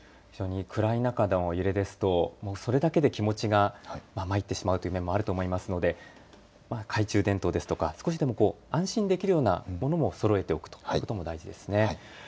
暗い中での揺れですとそれだけで気持ちがまいってしまう面もあると思いますので懐中電灯ですとか少しでも安心できるようなものもそろえておくことも大事ですね。